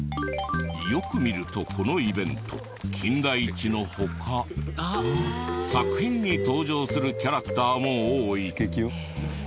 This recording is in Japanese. よく見るとこのイベント金田一の他作品に登場するキャラクターも多い。